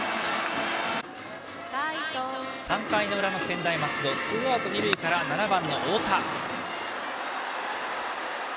３回の裏の専大松戸ツーアウト二塁から７番の太田。